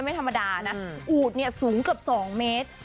ไม่ธรรมดานะอูดเนี่ยสูงเกือบ๒เมตร